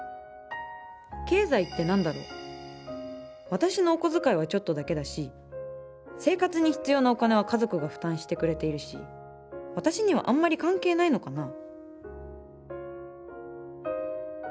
私のお小遣いはちょっとだけだし生活に必要なお金は家族が負担してくれているし私にはあんまり関係ないのかな？